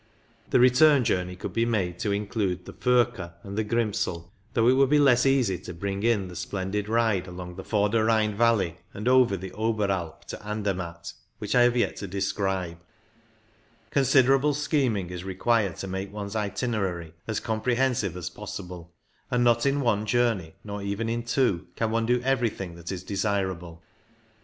The return journey could be made to include the Furka and the Grimsel, though it would be less easy to bring in the splendid ride along the Vorder Rhein DIRD'S EYK VtWW Cili' nGZA^iS ON TUIL MALOJA rA^ THE MALOJA 93 valley and over the Oberalp to Andermatt, which I have yet to describe. Consider able scheming is required to make one's itinerary as comprehensive as possible, and not in one journey, nor even in two, can one do everything that is desirable.